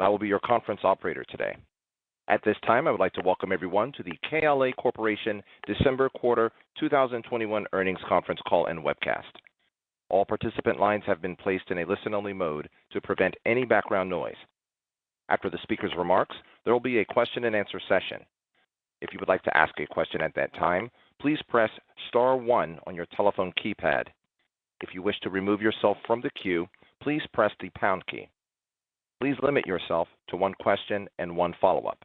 I will be your conference operator today. At this time, I would like to welcome everyone to the KLA Corporation December Quarter 2021 Earnings Conference Call and Webcast. All participant lines have been placed in a listen-only mode to prevent any background noise. After the speaker's remarks, there will be a question-and-answer session. If you would like to ask a question at that time, please press star one on your telephone keypad. If you wish to remove yourself from the queue, please press the pound key. Please limit yourself to one question and one follow-up.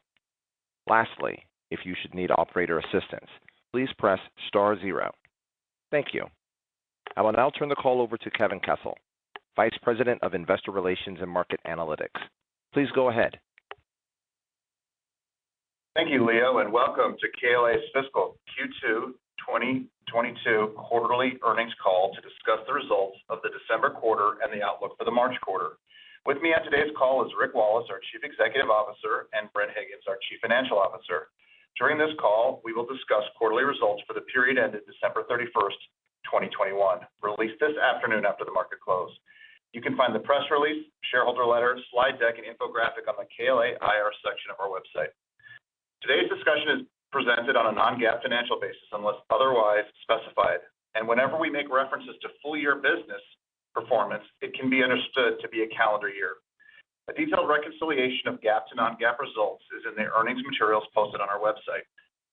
Lastly, if you should need operator assistance, please press star zero. Thank you. I will now turn the call over to Kevin Kessel, Vice President of Investor Relations and Market Analytics. Please go ahead. Thank you, Leo, and welcome to KLA's fiscal Q2 2022 quarterly earnings call to discuss the results of the December quarter and the outlook for the March quarter. With me on today's call is Rick Wallace, our Chief Executive Officer, and Bren Higgins, our Chief Financial Officer. During this call, we will discuss quarterly results for the period ended December 31st, 2021, released this afternoon after the market close. You can find the press release, shareholder letter, slide deck, and infographic on the KLA IR section of our website. Today's discussion is presented on a non-GAAP financial basis, unless otherwise specified. Whenever we make references to full year business performance, it can be understood to be a calendar year. A detailed reconciliation of GAAP to non-GAAP results is in the earnings materials posted on our website.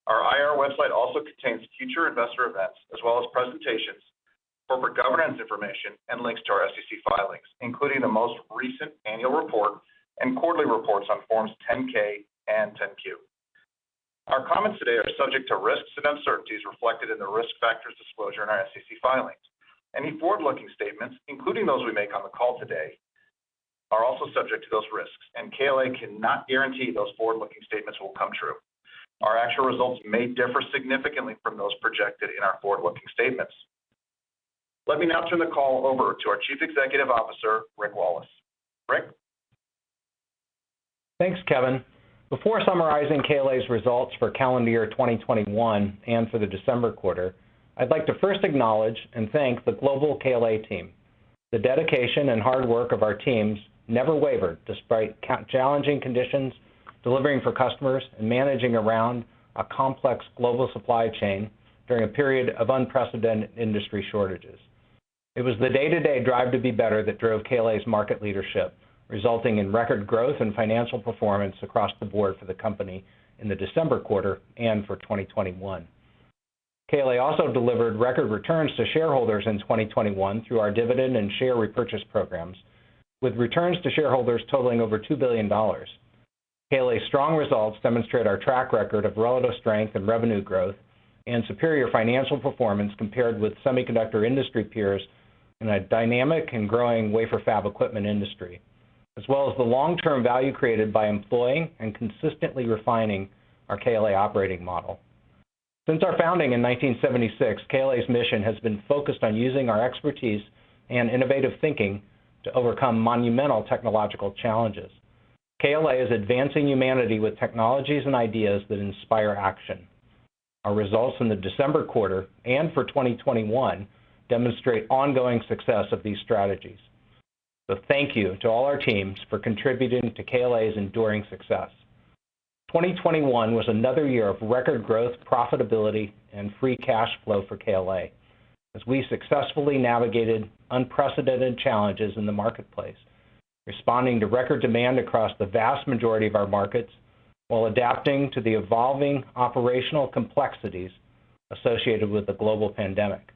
Our IR website also contains future investor events as well as presentations, corporate governance information, and links to our SEC filings, including the most recent annual report and quarterly reports on forms 10-K and 10-Q. Our comments today are subject to risks and uncertainties reflected in the risk factors disclosure in our SEC filings. Any forward-looking statements, including those we make on the call today, are also subject to those risks, and KLA cannot guarantee those forward-looking statements will come true. Our actual results may differ significantly from those projected in our forward-looking statements. Let me now turn the call over to our Chief Executive Officer, Rick Wallace. Rick. Thanks, Kevin. Before summarizing KLA's results for calendar year 2021 and for the December quarter, I'd like to first acknowledge and thank the global KLA team. The dedication and hard work of our teams never wavered despite challenging conditions, delivering for customers and managing around a complex global supply chain during a period of unprecedented industry shortages. It was the day-to-day drive to be better that drove KLA's market leadership, resulting in record growth and financial performance across the board for the company in the December quarter and for 2021. KLA also delivered record returns to shareholders in 2021 through our dividend and share repurchase programs, with returns to shareholders totaling over $2 billion. KLA's strong results demonstrate our track record of relative strength and revenue growth and superior financial performance compared with semiconductor industry peers in a dynamic and growing wafer fab equipment industry, as well as the long-term value created by employing and consistently refining our KLA operating model. Since our founding in 1976, KLA's mission has been focused on using our expertise and innovative thinking to overcome monumental technological challenges. KLA is advancing humanity with technologies and ideas that inspire action. Our results in the December quarter and for 2021 demonstrate ongoing success of these strategies. Thank you to all our teams for contributing to KLA's enduring success. 2021 was another year of record growth, profitability, and free cash flow for KLA as we successfully navigated unprecedented challenges in the marketplace, responding to record demand across the vast majority of our markets while adapting to the evolving operational complexities associated with the global pandemic.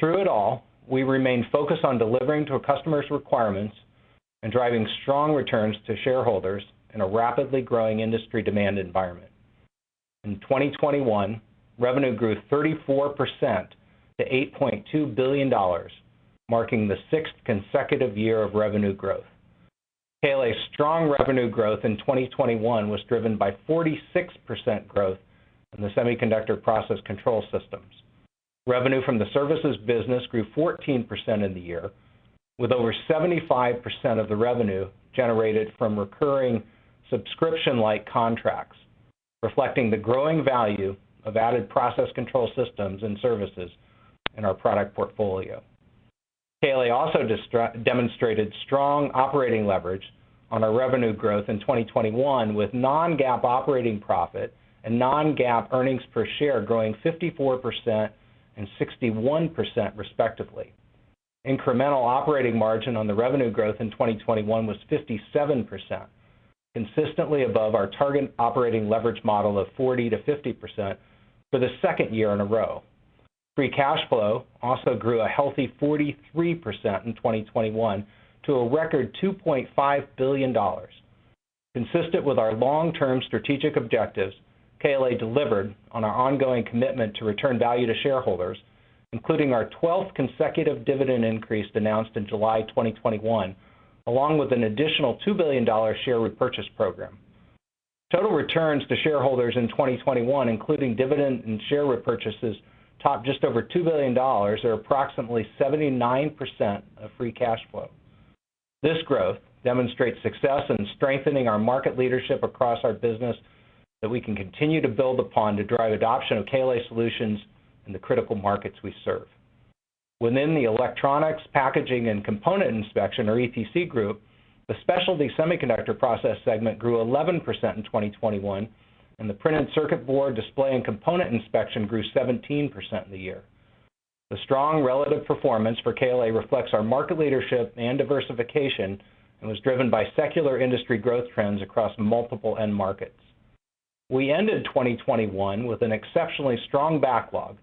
Through it all, we remained focused on delivering to our customers' requirements and driving strong returns to shareholders in a rapidly growing industry demand environment. In 2021, revenue grew 34% to $8.2 billion, marking the sixth consecutive year of revenue growth. KLA's strong revenue growth in 2021 was driven by 46% growth in the Semiconductor Process Control systems. Revenue from the Services business grew 14% in the year, with over 75% of the revenue generated from recurring subscription-like contracts, reflecting the growing value of added process control systems and services in our product portfolio. KLA also demonstrated strong operating leverage on our revenue growth in 2021 with non-GAAP operating profit and non-GAAP earnings per share growing 54% and 61% respectively. Incremental operating margin on the revenue growth in 2021 was 57%, consistently above our target operating leverage model of 40%-50% for the second year in a row. Free cash flow also grew a healthy 43% in 2021 to a record $2.5 billion. Consistent with our long-term strategic objectives, KLA delivered on our ongoing commitment to return value to shareholders, including our twelfth consecutive dividend increase announced in July 2021, along with an additional $2 billion share repurchase program. Total returns to shareholders in 2021, including dividend and share repurchases, topped just over $2 billion or approximately 79% of free cash flow. This growth demonstrates success in strengthening our market leadership across our business that we can continue to build upon to drive adoption of KLA solutions in the critical markets we serve. Within the electronics, packaging, and component inspection, or EPC group, the specialty semiconductor process segment grew 11% in 2021, and the printed circuit board display and component inspection grew 17% in the year. The strong relative performance for KLA reflects our market leadership and diversification and was driven by secular industry growth trends across multiple end markets. We ended 2021 with an exceptionally strong backlog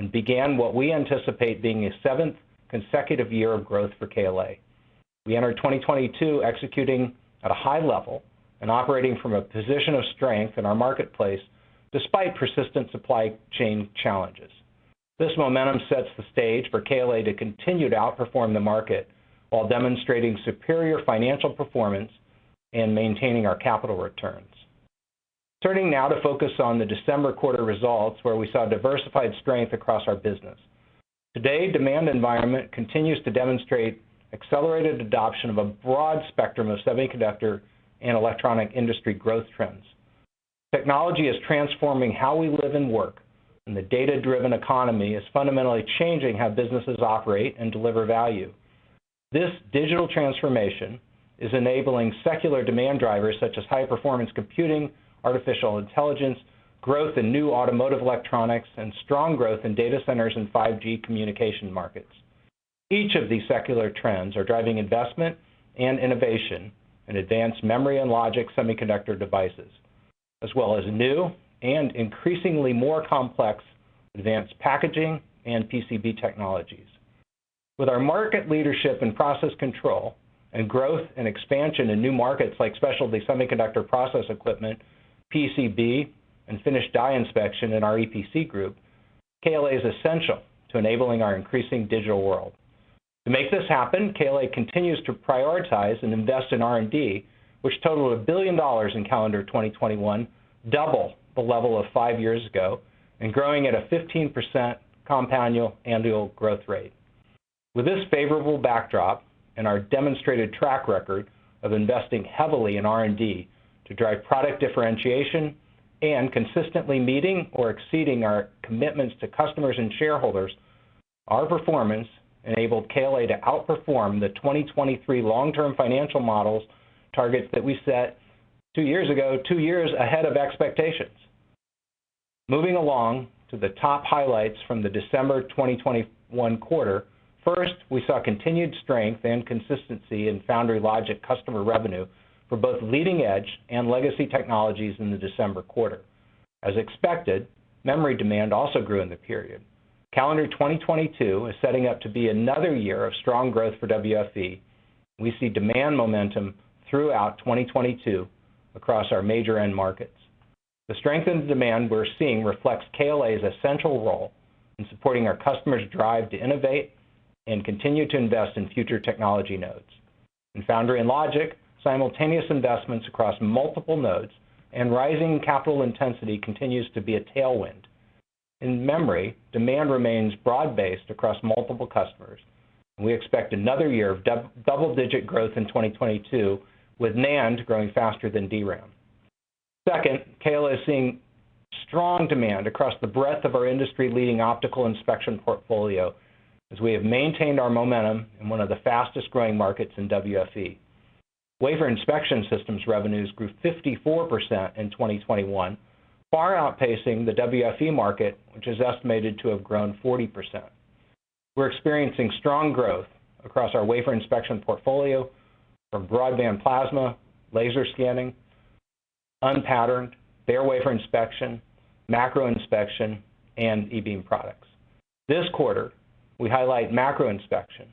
and began what we anticipate being a 7th consecutive year of growth for KLA. We entered 2022 executing at a high level and operating from a position of strength in our marketplace despite persistent supply chain challenges. This momentum sets the stage for KLA to continue to outperform the market while demonstrating superior financial performance and maintaining our capital returns. Turning now to focus on the December quarter results where we saw diversified strength across our business. Today, demand environment continues to demonstrate accelerated adoption of a broad spectrum of semiconductor and electronics industry growth trends. Technology is transforming how we live and work, and the data-driven economy is fundamentally changing how businesses operate and deliver value. This digital transformation is enabling secular demand drivers such as high-performance computing, artificial intelligence, growth in new automotive electronics, and strong growth in data centers and 5G communication markets. Each of these secular trends are driving investment and innovation in advanced memory and logic semiconductor devices, as well as new and increasingly more complex advanced packaging and PCB technologies. With our market leadership in process control and growth and expansion in new markets like specialty semiconductor process equipment, PCB, and finished die inspection in our EPC group, KLA is essential to enabling our increasing digital world. To make this happen, KLA continues to prioritize and invest in R&D, which totaled $1 billion in calendar 2021, double the level of 5 years ago, and growing at a 15% compound annual growth rate. With this favorable backdrop and our demonstrated track record of investing heavily in R&D to drive product differentiation and consistently meeting or exceeding our commitments to customers and shareholders, our performance enabled KLA to outperform the 2023 long-term financial models targets that we set 2 years ago, 2 years ahead of expectations. Moving along to the top highlights from the December 2021 quarter, first, we saw continued strength and consistency in foundry logic customer revenue for both leading-edge and legacy technologies in the December quarter. As expected, memory demand also grew in the period. Calendar 2022 is setting up to be another year of strong growth for WFE, and we see demand momentum throughout 2022 across our major end markets. The strength in demand we're seeing reflects KLA's essential role in supporting our customers' drive to innovate and continue to invest in future technology nodes. In foundry and logic, simultaneous investments across multiple nodes and rising capital intensity continues to be a tailwind. In memory, demand remains broad-based across multiple customers, and we expect another year of double-digit growth in 2022, with NAND growing faster than DRAM. Second, KLA is seeing strong demand across the breadth of our industry-leading optical inspection portfolio as we have maintained our momentum in one of the fastest-growing markets in WFE. Wafer inspection systems revenues grew 54% in 2021, far outpacing the WFE market, which is estimated to have grown 40%. We're experiencing strong growth across our wafer inspection portfolio from broadband plasma, laser scanning, unpatterned, bare wafer inspection, macro inspection, and e-beam products. This quarter, we highlight macro inspection,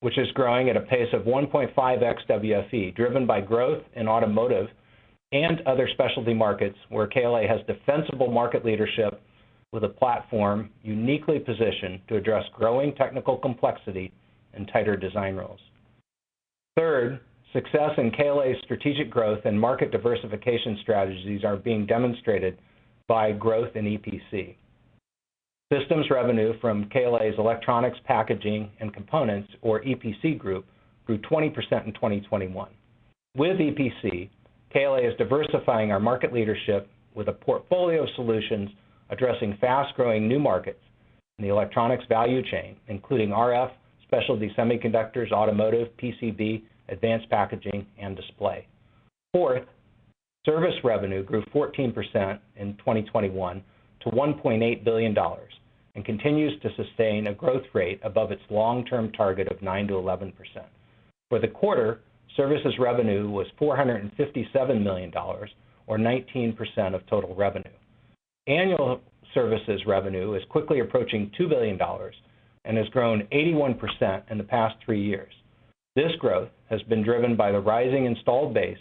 which is growing at a pace of 1.5x WFE, driven by growth in automotive and other specialty markets where KLA has defensible market leadership with a platform uniquely positioned to address growing technical complexity and tighter design rules. Third, success in KLA's strategic growth and market diversification strategies are being demonstrated by growth in EPC. Systems revenue from KLA's Electronics Packaging and Components, or EPC group, grew 20% in 2021. With EPC, KLA is diversifying our market leadership with a portfolio of solutions addressing fast-growing new markets in the electronics value chain, including RF, specialty semiconductors, automotive, PCB, advanced packaging, and display. Fourth, service revenue grew 14% in 2021 to $1.8 billion and continues to sustain a growth rate above its long-term target of 9%-11%. For the quarter, services revenue was $457 million, or 19% of total revenue. Annual services revenue is quickly approaching $2 billion and has grown 81% in the past 3 years. This growth has been driven by the rising installed base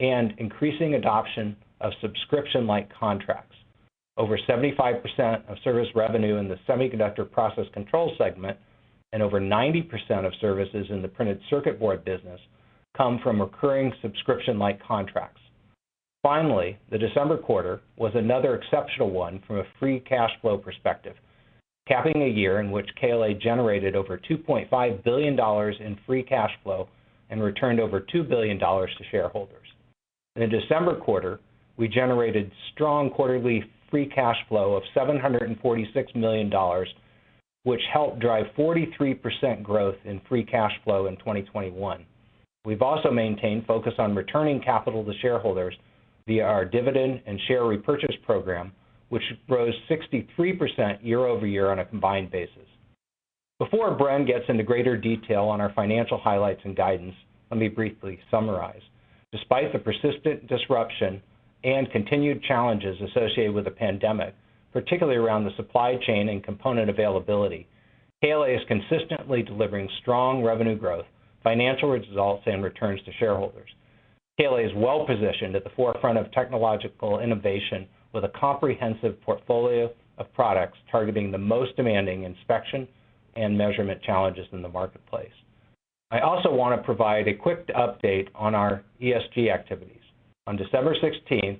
and increasing adoption of subscription-like contracts. Over 75% of service revenue in the Semiconductor Process Control segment and over 90% of services in the printed circuit board business come from recurring subscription-like contracts. Finally, the December quarter was another exceptional one from a free cash flow perspective, capping a year in which KLA generated over $2.5 billion in free cash flow and returned over $2 billion to shareholders. In the December quarter, we generated strong quarterly free cash flow of $746 million, which helped drive 43% growth in free cash flow in 2021. We've also maintained focus on returning capital to shareholders via our dividend and share repurchase program, which rose 63% year-over-year on a combined basis. Before Bren gets into greater detail on our financial highlights and guidance, let me briefly summarize. Despite the persistent disruption and continued challenges associated with the pandemic, particularly around the supply chain and component availability, KLA is consistently delivering strong revenue growth, financial results, and returns to shareholders. KLA is well-positioned at the forefront of technological innovation with a comprehensive portfolio of products targeting the most demanding inspection and measurement challenges in the marketplace. I also want to provide a quick update on our ESG activities. On December 16th,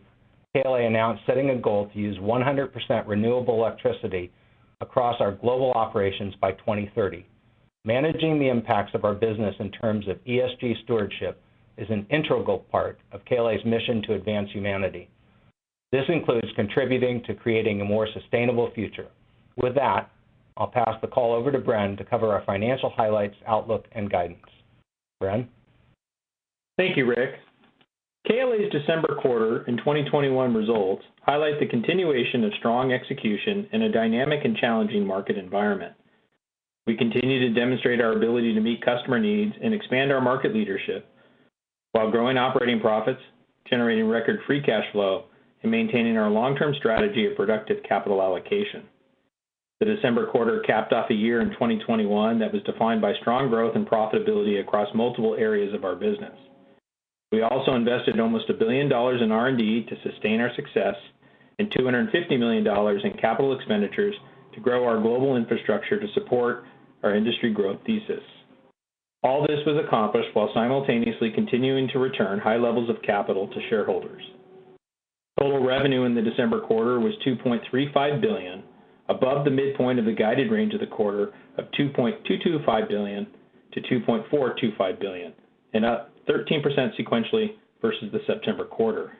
KLA announced setting a goal to use 100% renewable electricity across our global operations by 2030. Managing the impacts of our business in terms of ESG stewardship is an integral part of KLA's mission to advance humanity. This includes contributing to creating a more sustainable future. With that, I'll pass the call over to Bren to cover our financial highlights, outlook, and guidance. Bren? Thank you, Rick. KLA's December quarter and 2021 results highlight the continuation of strong execution in a dynamic and challenging market environment. We continue to demonstrate our ability to meet customer needs and expand our market leadership while growing operating profits, generating record free cash flow, and maintaining our long-term strategy of productive capital allocation. The December quarter capped off a year in 2021 that was defined by strong growth and profitability across multiple areas of our business. We also invested almost $1 billion in R&D to sustain our success, and $250 million in capital expenditures to grow our global infrastructure to support our industry growth thesis. All this was accomplished while simultaneously continuing to return high levels of capital to shareholders. Total revenue in the December quarter was $2.35 billion, above the midpoint of the guided range of the quarter of $2.225 billion-$2.425 billion, and up 13% sequentially versus the September quarter.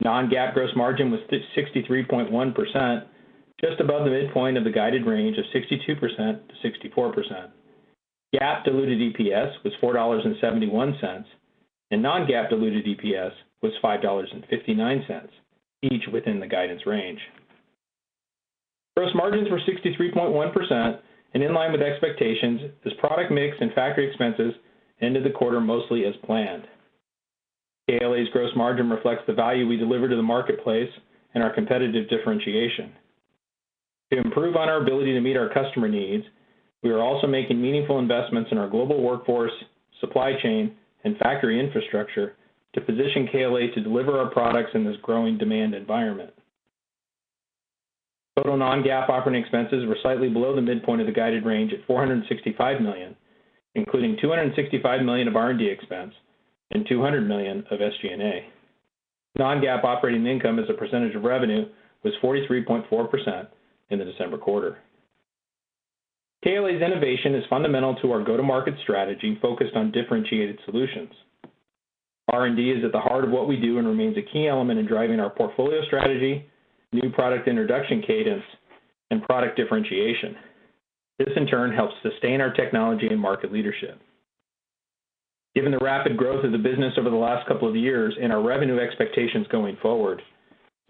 Non-GAAP gross margin was 63.1%, just above the midpoint of the guided range of 62%-64%. GAAP diluted EPS was $4.71, and non-GAAP diluted EPS was $5.59, each within the guidance range. Gross margins were 63.1% and in line with expectations as product mix and factory expenses ended the quarter mostly as planned. KLA's gross margin reflects the value we deliver to the marketplace and our competitive differentiation. To improve on our ability to meet our customer needs, we are also making meaningful investments in our global workforce, supply chain, and factory infrastructure to position KLA to deliver our products in this growing demand environment. Total non-GAAP operating expenses were slightly below the midpoint of the guided range at $465 million, including $265 million of R&D expense and $200 million of SG&A. Non-GAAP operating income as a percentage of revenue was 43.4% in the December quarter. KLA's innovation is fundamental to our go-to-market strategy focused on differentiated solutions. R&D is at the heart of what we do and remains a key element in driving our portfolio strategy, new product introduction cadence, and product differentiation. This, in turn, helps sustain our technology and market leadership. Given the rapid growth of the business over the last couple of years and our revenue expectations going forward,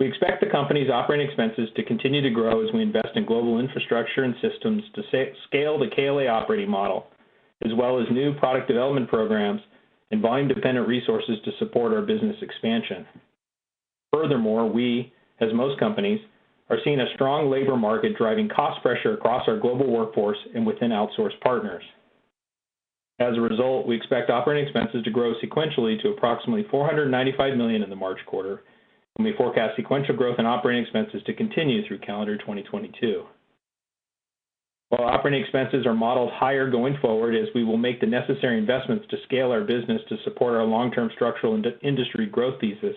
we expect the company's operating expenses to continue to grow as we invest in global infrastructure and systems to scale the KLA operating model, as well as new product development programs and volume-dependent resources to support our business expansion. Furthermore, we, as most companies, are seeing a strong labor market driving cost pressure across our global workforce and within outsource partners. As a result, we expect operating expenses to grow sequentially to approximately $495 million in the March quarter, and we forecast sequential growth in operating expenses to continue through calendar 2022. While operating expenses are modeled higher going forward, as we will make the necessary investments to scale our business to support our long-term structural industry growth thesis,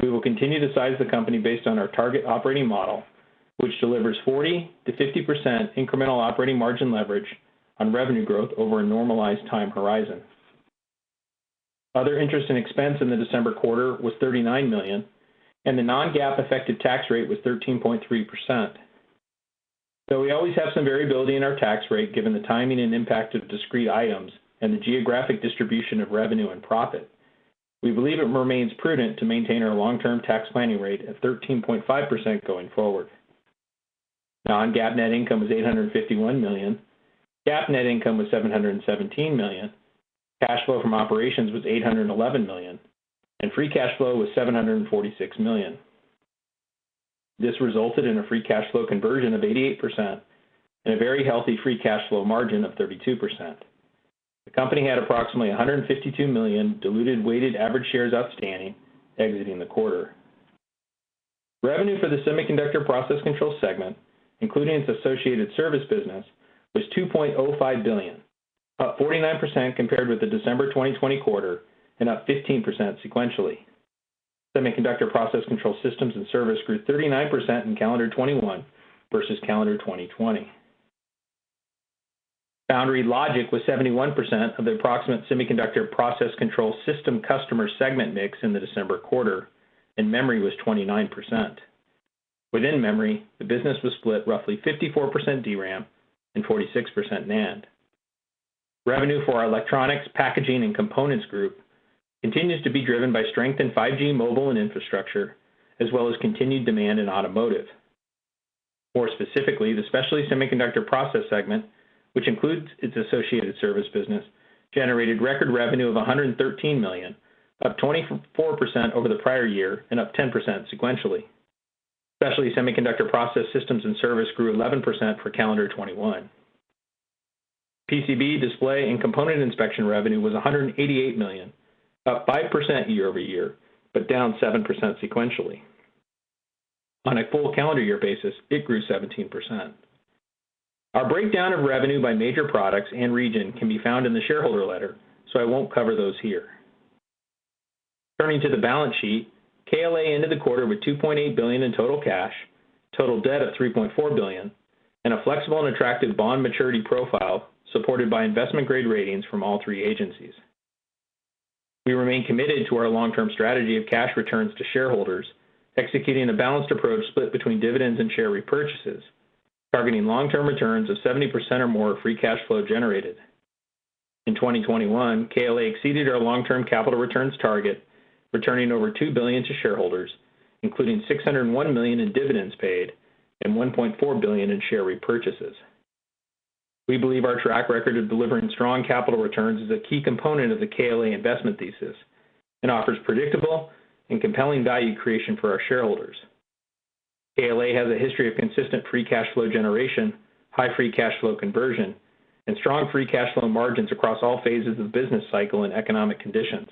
we will continue to size the company based on our target operating model, which delivers 40%-50% incremental operating margin leverage on revenue growth over a normalized time horizon. Other interest and expense in the December quarter was $39 million, and the non-GAAP effective tax rate was 13.3%. Though we always have some variability in our tax rate, given the timing and impact of discrete items and the geographic distribution of revenue and profit, we believe it remains prudent to maintain our long-term tax planning rate at 13.5% going forward. Non-GAAP net income was $851 million, GAAP net income was $717 million, cash flow from operations was $811 million, and free cash flow was $746 million. This resulted in a free cash flow conversion of 88% and a very healthy free cash flow margin of 32%. The company had approximately 152 million diluted weighted average shares outstanding exiting the quarter. Revenue for the Semiconductor Process Control segment, including its associated service business, was $2.05 billion, up 49% compared with the December 2020 quarter and up 15% sequentially. Semiconductor Process Control systems and service grew 39% in calendar 2021 versus calendar 2020. Foundry logic was 71% of the approximate semiconductor process control system customer segment mix in the December quarter, and memory was 29%. Within memory, the business was split roughly 54% DRAM and 46% NAND. Revenue for our electronics, packaging, and components group continues to be driven by strength in 5G mobile and infrastructure, as well as continued demand in automotive. More specifically, the specialty semiconductor process segment, which includes its associated service business, generated record revenue of $113 million, up 24% over the prior year and up 10% sequentially. Specialty semiconductor process systems and service grew 11% for calendar 2021. PCB display and component inspection revenue was $188 million, up 5% year-over-year, but down 7% sequentially. On a full calendar year basis, it grew 17%. Our breakdown of revenue by major products and region can be found in the shareholder letter, so I won't cover those here. Turning to the balance sheet, KLA ended the quarter with $2.8 billion in total cash, total debt of $3.4 billion, and a flexible and attractive bond maturity profile supported by investment grade ratings from all three agencies. We remain committed to our long-term strategy of cash returns to shareholders, executing a balanced approach split between dividends and share repurchases, targeting long-term returns of 70% or more of free cash flow generated. In 2021, KLA exceeded our long-term capital returns target, returning over $2 billion to shareholders, including $601 million in dividends paid and $1.4 billion in share repurchases. We believe our track record of delivering strong capital returns is a key component of the KLA investment thesis and offers predictable and compelling value creation for our shareholders. KLA has a history of consistent free cash flow generation, high free cash flow conversion, and strong free cash flow margins across all phases of business cycle and economic conditions.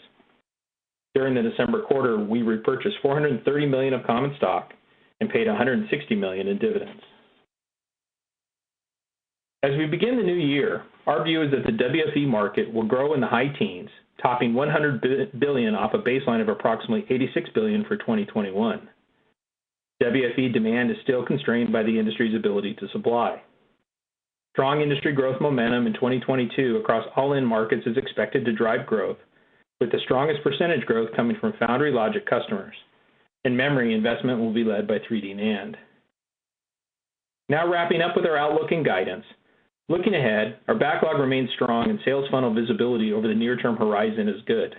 During the December quarter, we repurchased $430 million of common stock and paid $160 million in dividends. As we begin the new year, our view is that the WFE market will grow in the high teens%, topping $100 billion off a baseline of approximately $86 billion for 2021. WFE demand is still constrained by the industry's ability to supply. Strong industry growth momentum in 2022 across all end markets is expected to drive growth, with the strongest percentage growth coming from foundry logic customers, and memory investment will be led by 3D NAND. Now wrapping up with our outlook and guidance. Looking ahead, our backlog remains strong and sales funnel visibility over the near-term horizon is good.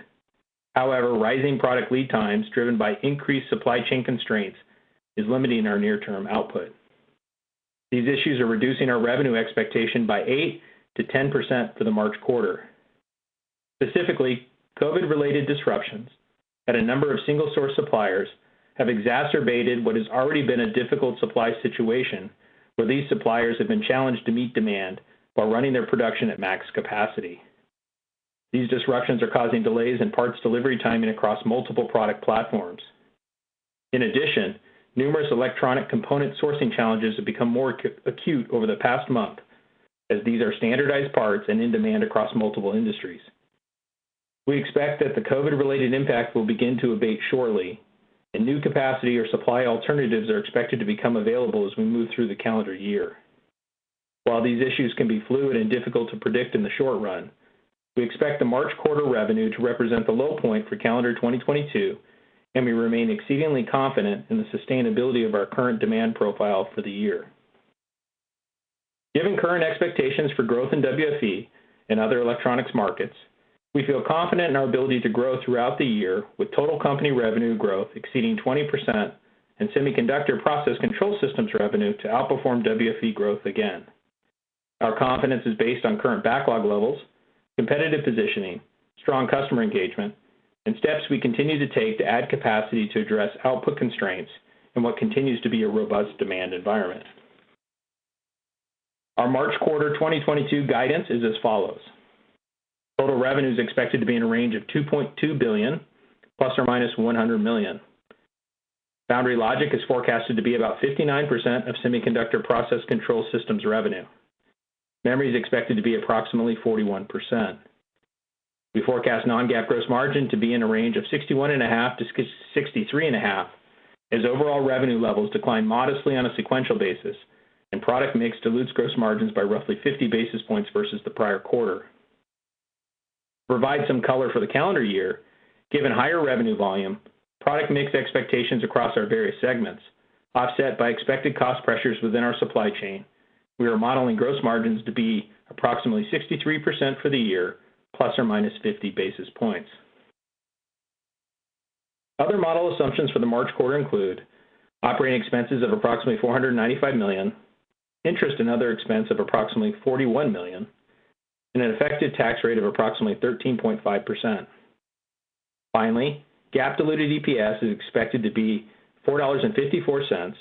However, rising product lead times driven by increased supply chain constraints is limiting our near-term output. These issues are reducing our revenue expectation by 8%-10% for the March quarter. Specifically, COVID-related disruptions at a number of single source suppliers have exacerbated what has already been a difficult supply situation where these suppliers have been challenged to meet demand while running their production at max capacity. These disruptions are causing delays in parts delivery timing across multiple product platforms. In addition, numerous electronic component sourcing challenges have become more acute over the past month as these are standardized parts and in demand across multiple industries. We expect that the COVID-related impact will begin to abate shortly, and new capacity or supply alternatives are expected to become available as we move through the calendar year. While these issues can be fluid and difficult to predict in the short run, we expect the March quarter revenue to represent the low point for calendar 2022, and we remain exceedingly confident in the sustainability of our current demand profile for the year. Given current expectations for growth in WFE and other electronics markets, we feel confident in our ability to grow throughout the year with total company revenue growth exceeding 20% and Semiconductor Process Control systems revenue to outperform WFE growth again. Our confidence is based on current backlog levels, competitive positioning, strong customer engagement, and steps we continue to take to add capacity to address output constraints in what continues to be a robust demand environment. Our March quarter 2022 guidance is as follows. Total revenue is expected to be in a range of $2.2 billion ±$100 million. Foundry logic is forecasted to be about 59% of Semiconductor Process Control systems revenue. Memory is expected to be approximately 41%. We forecast non-GAAP gross margin to be in a range of 61.5%-63.5% as overall revenue levels decline modestly on a sequential basis and product mix dilutes gross margins by roughly 50 basis points versus the prior quarter. To provide some color for the calendar year, given higher revenue volume, product mix expectations across our various segments, offset by expected cost pressures within our supply chain, we are modeling gross margins to be approximately 63% for the year ±50 basis points. Other model assumptions for the March quarter include operating expenses of approximately $495 million, interest and other expense of approximately $41 million, and an effective tax rate of approximately 13.5%. Finally, GAAP diluted EPS is expected to be $4.54 ±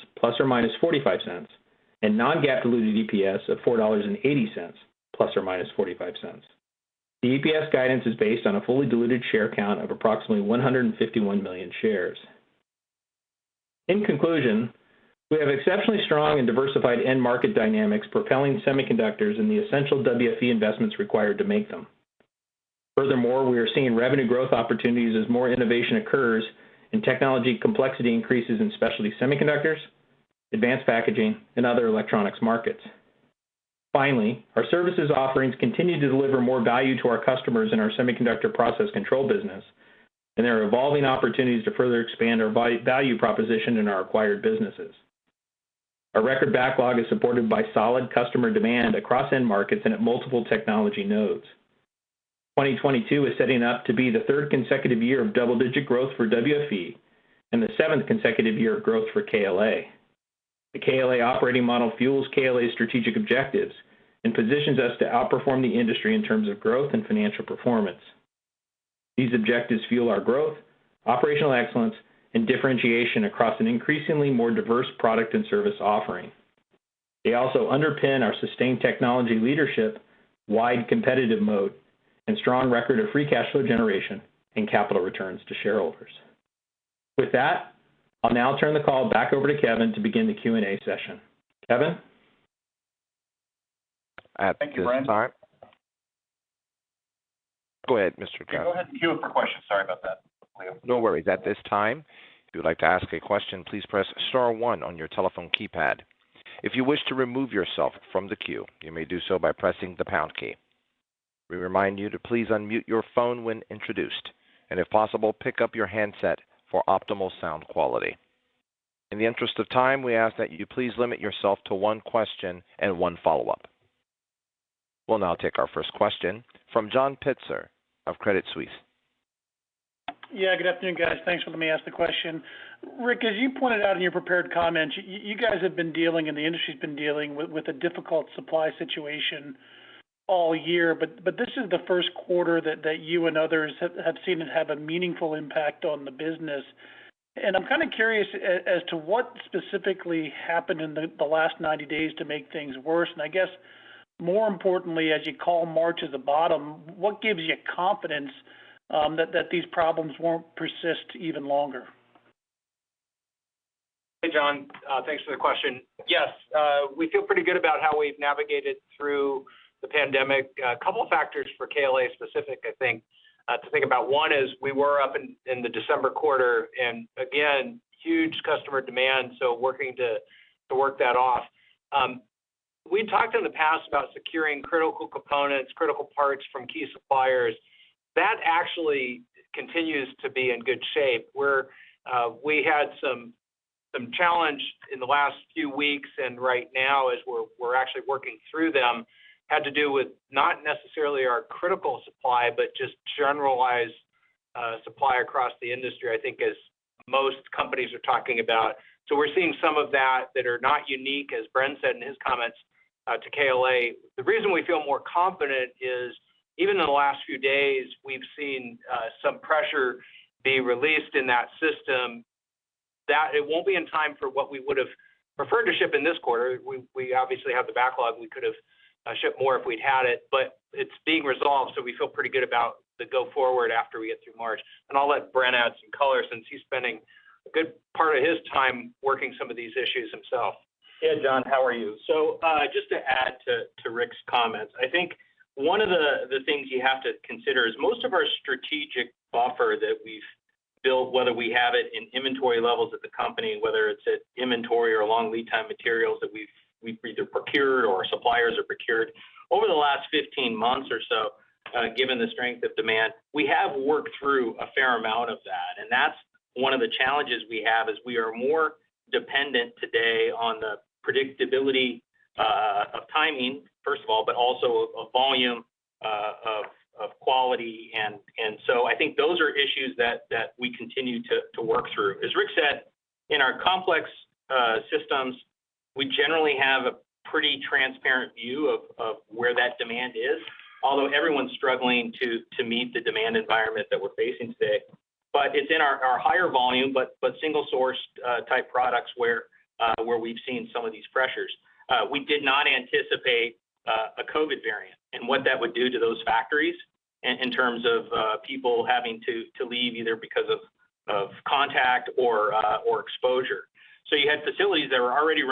$0.45, and non-GAAP diluted EPS of $4.80 ± $0.45. The EPS guidance is based on a fully diluted share count of approximately 151 million shares. In conclusion, we have exceptionally strong and diversified end market dynamics propelling semiconductors and the essential WFE investments required to make them. Furthermore, we are seeing revenue growth opportunities as more innovation occurs and technology complexity increases in specialty semiconductors, advanced packaging, and other electronics markets. Finally, our services offerings continue to deliver more value to our customers in our Semiconductor Process Control business, and there are evolving opportunities to further expand our value proposition in our acquired businesses. Our record backlog is supported by solid customer demand across end markets and at multiple technology nodes. 2022 is setting up to be the third consecutive year of double-digit growth for WFE and the seventh consecutive year of growth for KLA. The KLA operating model fuels KLA's strategic objectives and positions us to outperform the industry in terms of growth and financial performance. These objectives fuel our growth, operational excellence, and differentiation across an increasingly more diverse product and service offering. They also underpin our sustained technology leadership, wide competitive moat, and strong record of free cash flow generation and capital returns to shareholders. With that, I'll now turn the call back over to Kevin to begin the Q&A session. Kevin. At this time. Thank you, Bren. Go ahead, Mr. Kessel. Go ahead and queue up for questions. Sorry about that. No worries. At this time, if you would like to ask a question, please press star one on your telephone keypad. If you wish to remove yourself from the queue, you may do so by pressing the pound key. We remind you to please unmute your phone when introduced, and if possible, pick up your handset for optimal sound quality. In the interest of time, we ask that you please limit yourself to one question and one follow-up. We'll now take our first question from John Pitzer of Credit Suisse. Yeah, good afternoon, guys. Thanks for letting me ask the question. Rick, as you pointed out in your prepared comments, you guys have been dealing, and the industry's been dealing with a difficult supply situation all year, but this is the first quarter that you and others have seen it have a meaningful impact on the business. I'm kind of curious as to what specifically happened in the last 90 days to make things worse. I guess more importantly, as you call March as the bottom, what gives you confidence that these problems won't persist even longer? Hey, John. Thanks for the question. Yes, we feel pretty good about how we've navigated through the pandemic. A couple factors for KLA specific, I think, to think about. One is we were up in the December quarter, and again, huge customer demand, so working to work that off. We talked in the past about securing critical components, critical parts from key suppliers. That actually continues to be in good shape, where we had some challenge in the last few weeks, and right now as we're actually working through them, had to do with not necessarily our critical supply, but just generalized supply across the industry, I think as most companies are talking about. We're seeing some of that are not unique, as Bren said in his comments, to KLA. The reason we feel more confident is even in the last few days, we've seen some pressure being released in that system, that it won't be in time for what we would have preferred to ship in this quarter. We obviously have the backlog. We could have shipped more if we'd had it, but it's being resolved, so we feel pretty good about the go forward after we get through March. I'll let Bren add some color since he's spending a good part of his time working some of these issues himself. Yeah, John, how are you? Just to add to Rick's comments, I think one of the things you have to consider is most of our strategic buffer that we've built, whether we have it in inventory levels at the company, whether it's in inventory or long lead time materials that we've either procured or suppliers have procured, over the last 15 months or so, given the strength of demand, we have worked through a fair amount of that. That's one of the challenges we have, is we are more dependent today on the predictability of timing, first of all, but also of volume, of quality. I think those are issues that we continue to work through. As Rick said, in our complex systems, we generally have a pretty transparent view of where that demand is, although everyone's struggling to meet the demand environment that we're facing today. It's in our higher volume, but single source type products where we've seen some of these pressures. We did not anticipate a COVID variant and what that would do to those factories in terms of people having to leave either because of contact or exposure. You had facilities that were already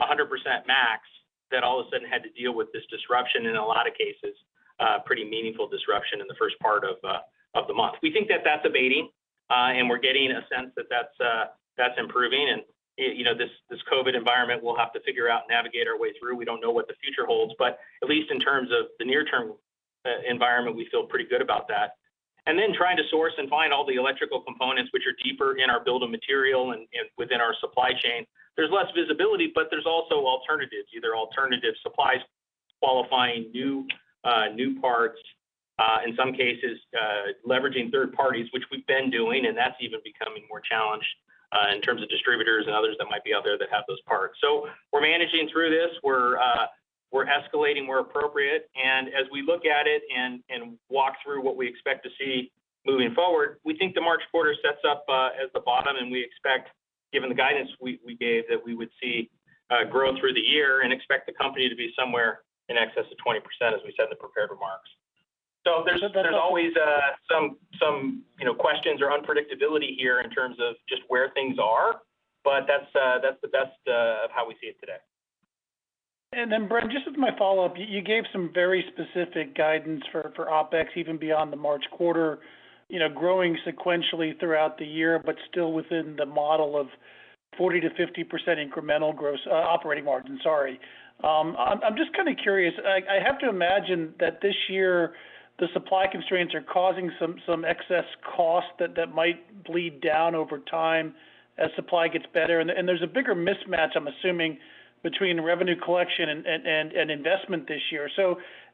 running 100% max that all of a sudden had to deal with this disruption, in a lot of cases, pretty meaningful disruption in the first part of the month. We think that that's abating and we're getting a sense that that's improving. You know, this COVID environment, we'll have to figure out, navigate our way through. We don't know what the future holds, but at least in terms of the near term environment, we feel pretty good about that. Trying to source and find all the electrical components which are deeper in our bill of materials and within our supply chain. There's less visibility, but there's also alternatives, either alternative suppliers qualifying new parts, in some cases, leveraging third parties, which we've been doing, and that's even becoming more challenged in terms of distributors and others that might be out there that have those parts. We're managing through this. We're escalating where appropriate. As we look at it and walk through what we expect to see moving forward, we think the March quarter sets up as the bottom. We expect, given the guidance we gave, that we would see growth through the year and expect the company to be somewhere in excess of 20%, as we said in the prepared remarks. There's always some you know questions or unpredictability here in terms of just where things are, but that's the best of how we see it today. Bren, just as my follow-up, you gave some very specific guidance for OpEx even beyond the March quarter, you know, growing sequentially throughout the year, but still within the model of 40%-50% incremental gross operating margin, sorry. I'm just kind of curious. I have to imagine that this year the supply constraints are causing some excess costs that might bleed down over time as supply gets better. There's a bigger mismatch, I'm assuming, between revenue collection and investment this year.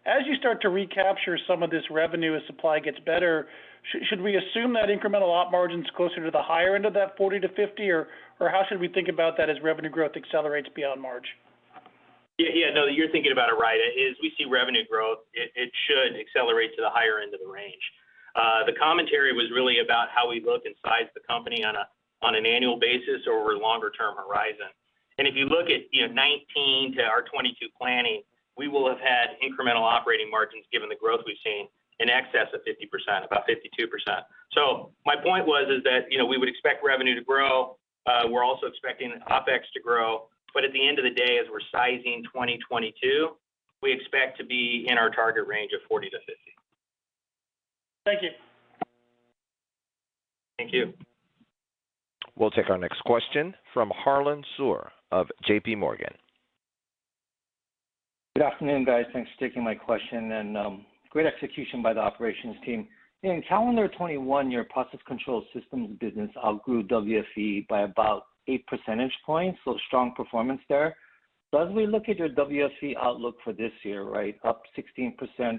As you start to recapture some of this revenue as supply gets better, should we assume that incremental op margins closer to the higher end of that 40%-50%, or how should we think about that as revenue growth accelerates beyond March? Yeah, yeah. No, you're thinking about it right. As we see revenue growth, it should accelerate to the higher end of the range. The commentary was really about how we look and size the company on an annual basis over a longer term horizon. If you look at, you know, 2019 to our 2022 planning, we will have had incremental operating margins given the growth we've seen in excess of 50%, about 52%. My point was that, you know, we would expect revenue to grow. We're also expecting OpEx to grow. At the end of the day, as we're sizing 2022, we expect to be in our target range of 40%-50%. Thank you. Thank you. We'll take our next question from Harlan Sur of J.P. Morgan. Good afternoon, guys. Thanks for taking my question and great execution by the operations team. In calendar 2021, your process control systems business outgrew WFE by about 8 percentage points, so strong performance there. As we look at your WFE outlook for this year, right, up 16%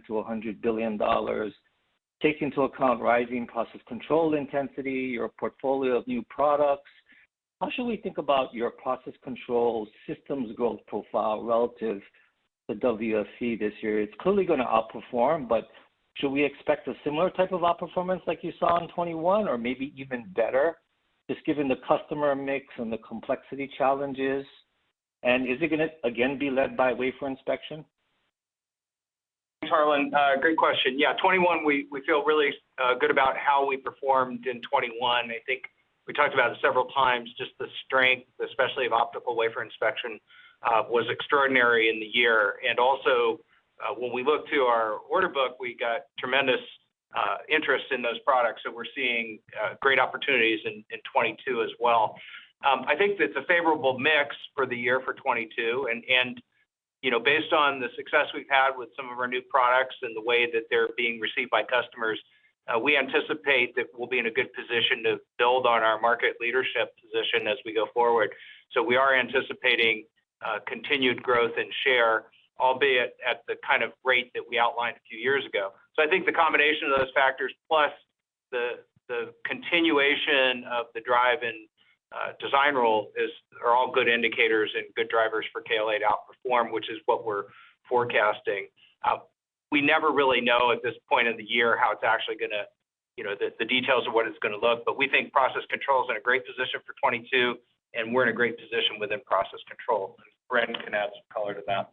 to $100 billion, take into account rising process control intensity, your portfolio of new products, how should we think about your process control systems growth profile relative to WFE this year? It's clearly gonna outperform, but should we expect a similar type of outperformance like you saw in 2021 or maybe even better, just given the customer mix and the complexity challenges, and is it gonna again be led by wafer inspection? Harlan, great question. Yeah, 2021 we feel really good about how we performed in 2021. I think we talked about it several times, just the strength, especially of optical wafer inspection, was extraordinary in the year. Also, when we look to our order book, we got tremendous interest in those products, so we're seeing great opportunities in 2022 as well. I think that's a favorable mix for the year for 2022 and, you know, based on the success we've had with some of our new products and the way that they're being received by customers, we anticipate that we'll be in a good position to build on our market leadership position as we go forward. We are anticipating continued growth and share, albeit at the kind of rate that we outlined a few years ago. I think the combination of those factors plus the continuation of the drive in design rule are all good indicators and good drivers for KLA to outperform, which is what we're forecasting. We never really know at this point in the year how it's actually gonna look. You know, the details of what it's gonna look, but we think process control is in a great position for 2022, and we're in a great position within process control. Bren can add some color to that.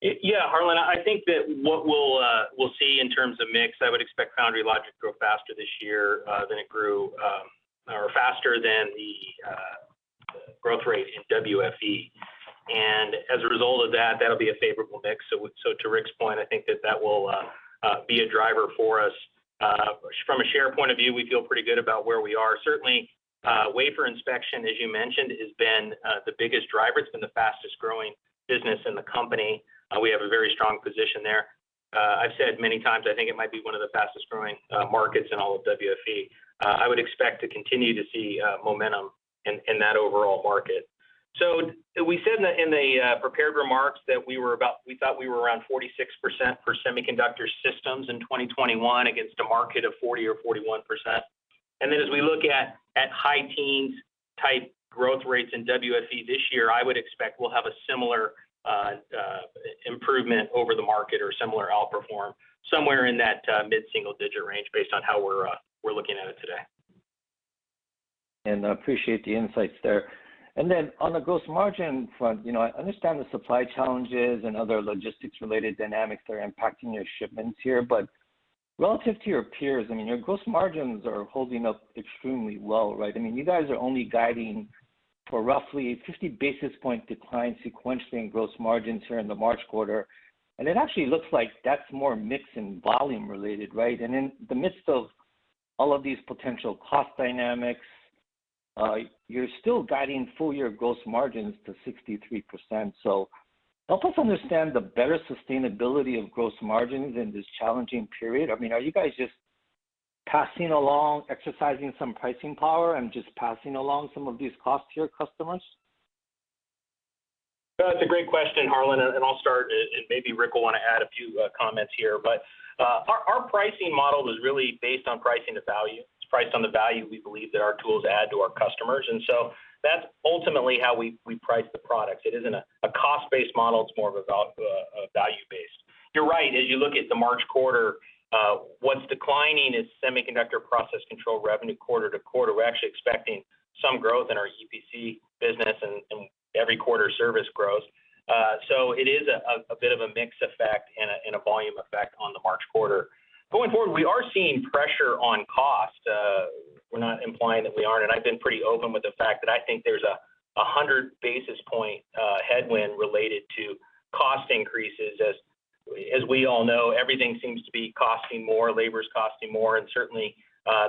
Yeah, Harlan, I think that what we'll see in terms of mix. I would expect foundry logic grow faster this year than it grew or faster than the growth rate in WFE. As a result of that'll be a favorable mix. To Rick's point, I think that will be a driver for us. From a share point of view, we feel pretty good about where we are. Certainly, wafer inspection, as you mentioned, has been the biggest driver. It's been the fastest growing business in the company. We have a very strong position there. I've said many times, I think it might be one of the fastest growing markets in all of WFE. I would expect to continue to see momentum in that overall market. We said in the prepared remarks that we thought we were around 46% for semiconductor systems in 2021 against a market of 40% or 41%. As we look at high teens type growth rates in WFE this year, I would expect we'll have a similar improvement over the market or similar outperformance somewhere in that mid-single digit range based on how we're looking at it today. I appreciate the insights there. Then on the gross margin front, you know, I understand the supply challenges and other logistics-related dynamics that are impacting your shipments here, but relative to your peers, I mean, your gross margins are holding up extremely well, right? I mean, you guys are only guiding for roughly a 50 basis point decline sequentially in gross margins here in the March quarter. It actually looks like that's more mix and volume related, right? In the midst of all of these potential cost dynamics, you're still guiding full year gross margins to 63%. Help us understand the better sustainability of gross margins in this challenging period. I mean, are you guys just passing along, exercising some pricing power, and just passing along some of these costs to your customers? That's a great question, Harlan. I'll start, and maybe Rick will want to add a few comments here. Our pricing model is really based on pricing to value. It's priced on the value we believe that our tools add to our customers, and that's ultimately how we price the products. It isn't a cost-based model, it's more of a value-based. You're right. As you look at the March quarter, what's declining is Semiconductor Process Control revenue quarter to quarter. We're actually expecting some growth in our EPC business and every quarter service growth. It is a bit of a mix effect and a volume effect on the March quarter. Going forward, we are seeing pressure on cost. We're not implying that we aren't, and I've been pretty open with the fact that I think there's a 100 basis points headwind related to cost increases. As we all know, everything seems to be costing more, labor's costing more, and certainly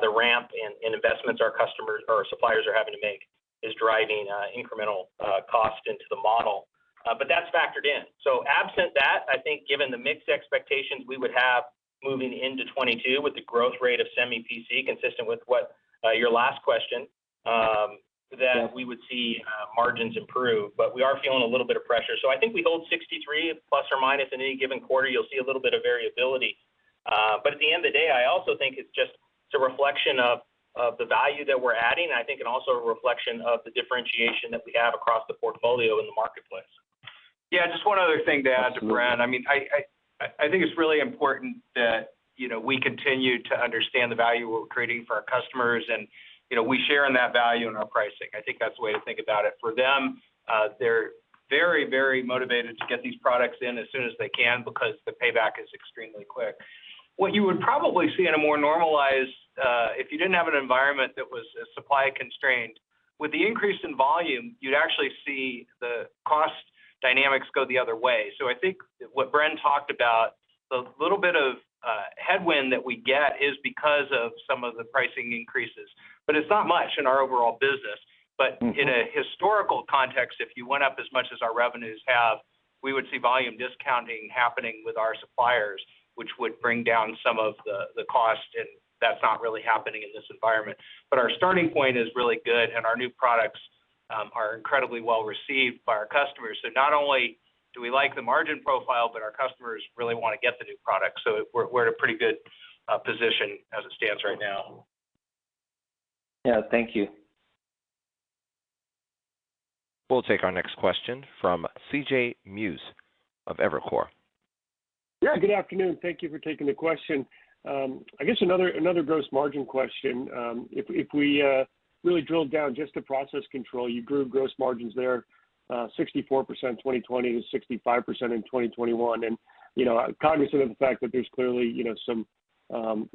the ramp in investments our customers or suppliers are having to make is driving incremental cost into the model. But that's factored in. Absent that, I think given the mixed expectations we would have moving into 2022 with the growth rate of Semi PC consistent with what your last question. Yeah that we would see margins improve. We are feeling a little bit of pressure. I think we hold 63%, ± in any given quarter. You'll see a little bit of variability. At the end of the day, I also think it's just a reflection of the value that we're adding, and also a reflection of the differentiation that we have across the portfolio in the marketplace. Yeah. Just one other thing to add to Bren. I mean, I think it's really important that, you know, we continue to understand the value we're creating for our customers and, you know, we share in that value in our pricing. I think that's the way to think about it. For them, they're very, very motivated to get these products in as soon as they can because the payback is extremely quick. What you would probably see in a more normalized, if you didn't have an environment that was as supply constrained, with the increase in volume, you'd actually see the cost dynamics go the other way. I think what Bren talked about, the little bit of headwind that we get is because of some of the pricing increases. It's not much in our overall business. Mm-hmm... in a historical context, if you went up as much as our revenues have, we would see volume discounting happening with our suppliers, which would bring down some of the cost, and that's not really happening in this environment. Our starting point is really good, and our new products are incredibly well received by our customers. Not only do we like the margin profile, but our customers really wanna get the new product. We're in a pretty good position as it stands right now. Yeah. Thank you. We'll take our next question from C.J. Muse of Evercore. Yeah. Good afternoon. Thank you for taking the question. I guess another gross margin question. If we really drilled down just to process control, you grew gross margins there 64% in 2020 to 65% in 2021. You know, cognizant of the fact that there's clearly you know some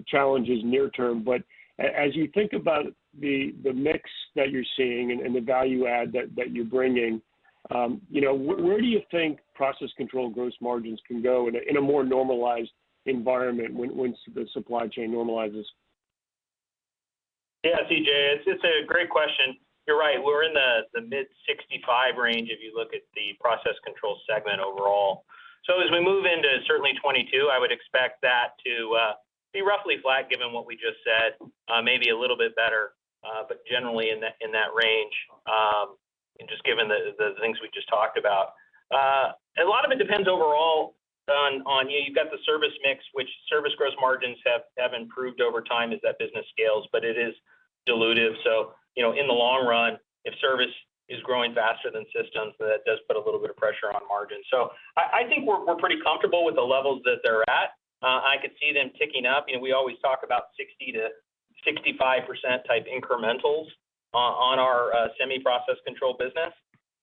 challenges near term, but as you think about the mix that you're seeing and the value add that you're bringing, you know, where do you think process control gross margins can go in a more normalized environment when the supply chain normalizes? Yeah. C.J., it's a great question. You're right. We're in the mid-65% range if you look at the process control segment overall. As we move into certainly 2022, I would expect that to be roughly flat given what we just said, maybe a little bit better, but generally in that range, and just given the things we just talked about. A lot of it depends overall on you know, you've got the service mix, which service gross margins have improved over time as that business scales, but it is dilutive. You know, in the long run, if service is growing faster than systems, that does put a little bit of pressure on margins. I think we're pretty comfortable with the levels that they're at. I could see them ticking up. You know, we always talk about 60%-65% type incrementals on our semi-process control business.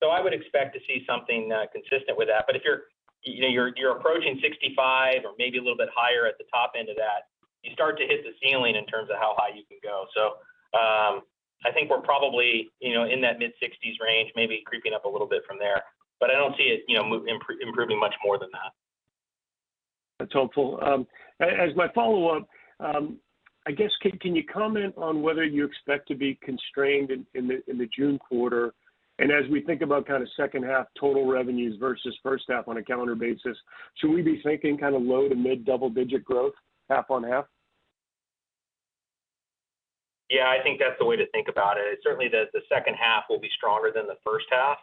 I would expect to see something consistent with that. If you're, you know, approaching 65% or maybe a little bit higher at the top end of that, you start to hit the ceiling in terms of how high you can go. I think we're probably, you know, in that mid-60s range, maybe creeping up a little bit from there, but I don't see it, you know, improving much more than that. That's helpful. As my follow-up, I guess can you comment on whether you expect to be constrained in the June quarter? As we think about kind of second half total revenues versus first half on a calendar basis, should we be thinking kind of low to mid double-digit growth half on half? Yeah, I think that's the way to think about it. Certainly the second half will be stronger than the first half.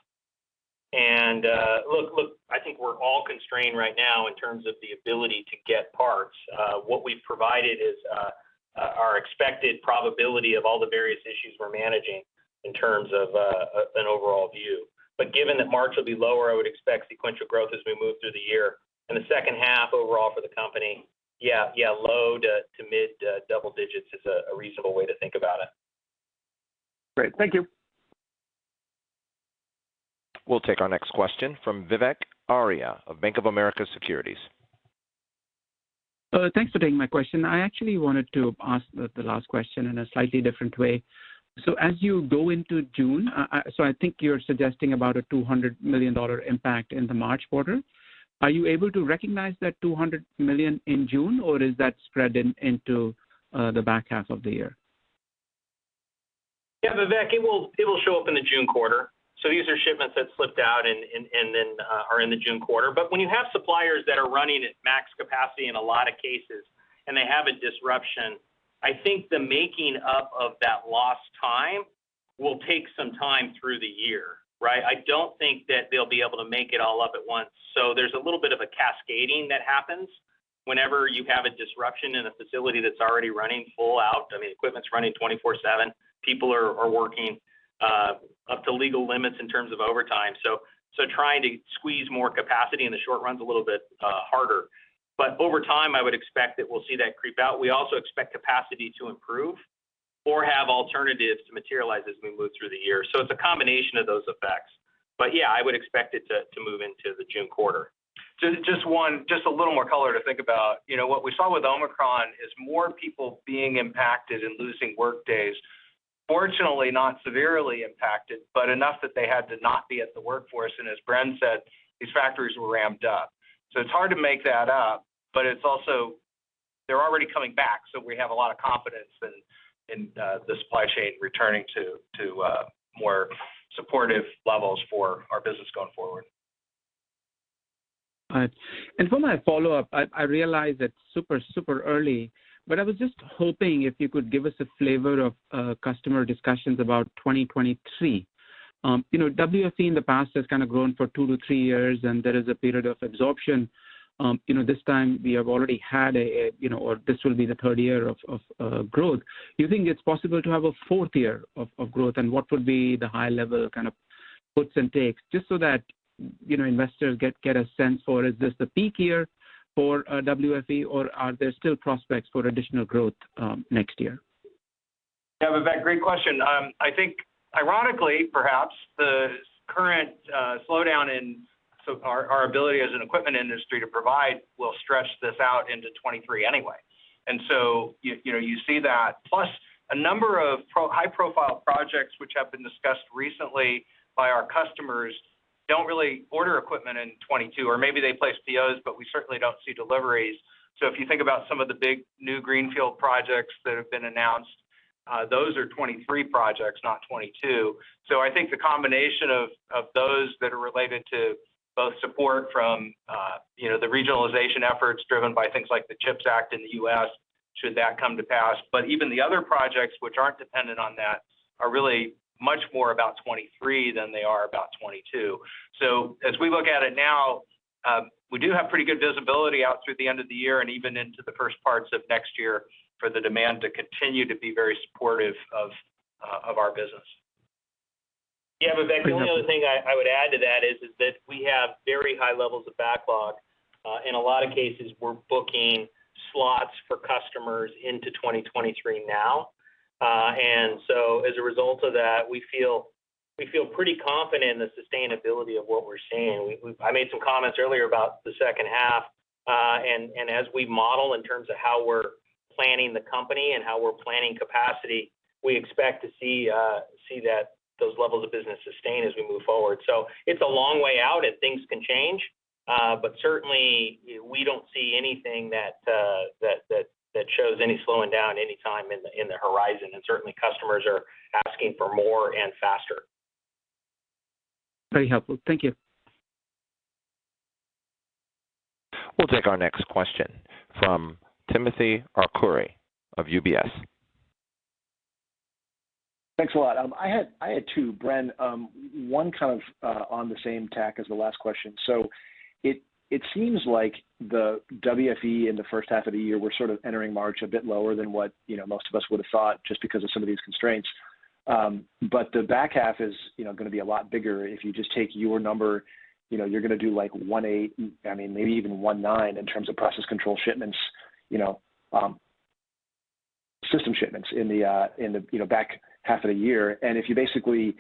Look, I think we're all constrained right now in terms of the ability to get parts. What we've provided is our expected probability of all the various issues we're managing in terms of an overall view. Given that March will be lower, I would expect sequential growth as we move through the year. In the second half overall for the company, yeah, low to mid double digits is a reasonable way to think about it. Great. Thank you. We'll take our next question from Vivek Arya of BofA Securities. Thanks for taking my question. I actually wanted to ask the last question in a slightly different way. As you go into June, I think you're suggesting about a $200 million impact in the March quarter. Are you able to recognize that $200 million in June, or is that spread into the back half of the year? Yeah, Vivek. It will show up in the June quarter. These are shipments that slipped out and then are in the June quarter. When you have suppliers that are running at max capacity in a lot of cases and they have a disruption, I think the making up of that lost time will take some time through the year, right? I don't think that they'll be able to make it all up at once. There's a little bit of a cascading that happens whenever you have a disruption in a facility that's already running full out. I mean, equipment's running 24/7. People are working up to legal limits in terms of overtime. Trying to squeeze more capacity in the short run's a little bit harder. Over time, I would expect that we'll see that creep out. We also expect capacity to improve or have alternatives to materialize as we move through the year. It's a combination of those effects. Yeah, I would expect it to move into the June quarter. Just a little more color to think about. You know what we saw with Omicron is more people being impacted and losing workdays. Fortunately, not severely impacted, but enough that they had to not be at the workforce, and as Bren said, these factories were ramped up. It's hard to make that up, but it's also they're already coming back, so we have a lot of confidence in the supply chain returning to more supportive levels for our business going forward. All right. For my follow-up, I realize it's super early, but I was just hoping if you could give us a flavor of customer discussions about 2023. You know, WFE in the past has kind of grown for 2-3 years, and there is a period of absorption. You know, this time we have already had a, you know, or this will be the third year of growth. Do you think it's possible to have a fourth year of growth, and what would be the high level kind of puts and takes? Just so that, you know, investors get a sense for is this the peak year for WFE, or are there still prospects for additional growth next year? Yeah, Vivek, great question. I think ironically perhaps the current slowdown in our ability as an equipment industry to provide will stretch this out into 2023 anyway. You know, you see that plus a number of high-profile projects which have been discussed recently by our customers don't really order equipment in 2022 or maybe they place POs, but we certainly don't see deliveries. If you think about some of the big new greenfield projects that have been announced, those are 2023 projects, not 2022. I think the combination of those that are related to both support from you know, the regionalization efforts driven by things like the CHIPS Act in the U.S., should that come to pass, but even the other projects which aren't dependent on that are really much more about 2023 than they are about 2022. As we look at it now, we do have pretty good visibility out through the end of the year and even into the first parts of next year for the demand to continue to be very supportive of our business. Yeah, Vivek- The only other thing I would add to that is that we have very high levels of backlog. In a lot of cases, we're booking slots for customers into 2023 now. As a result of that, we feel pretty confident in the sustainability of what we're seeing. I made some comments earlier about the second half, and as we model in terms of how we're planning the company and how we're planning capacity, we expect to see that those levels of business sustain as we move forward. It's a long way out and things can change, but certainly we don't see anything that shows any slowing down any time in the horizon, and certainly customers are asking for more and faster. Very helpful. Thank you. We'll take our next question from Timothy Arcuri of UBS. Thanks a lot. I had two, Bren. One kind of on the same tack as the last question. It seems like the WFE in the first half of the year, we're sort of entering March a bit lower than what, you know, most of us would have thought just because of some of these constraints. The back half is, you know, gonna be a lot bigger. If you just take your number, you know, you're gonna do like $1.8 billion, I mean, maybe even $1.9 billion in terms of process control shipments, you know, system shipments in the back half of the year. If you basically,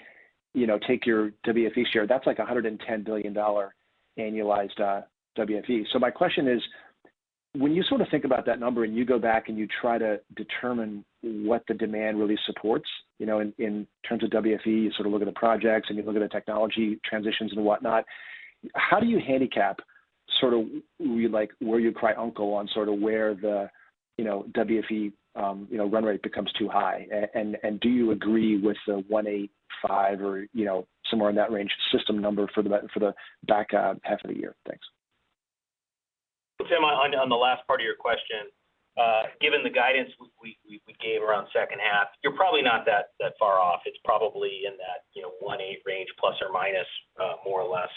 you know, take your WFE share, that's like a $110 billion annualized WFE. My question is: when you sort of think about that number, and you go back and you try to determine what the demand really supports, you know, in terms of WFE, you sort of look at the projects, and you look at the technology transitions and whatnot. How do you handicap sort of like where you cry uncle on sort of where the, you know, WFE run rate becomes too high? Do you agree with the 185 or, you know, somewhere in that range system number for the back half of the year? Thanks. Tim, on the last part of your question, given the guidance we gave around second half, you're probably not that far off. It's probably in that, you know, 18 range plus or minus, more or less.